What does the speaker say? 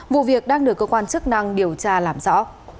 vụ việc đang được cơ quan chức năng điều tra làm rõ